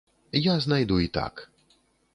Я знайду і так.